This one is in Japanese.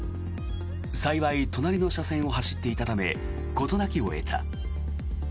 幸い、隣の車線を走っていたため事なきを得た。